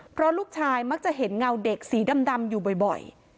เพราะลูกชายมักจะเห็นเงาเด็กสีดำอยู่บ่อย